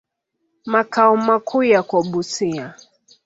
Makao makuu yako Busia.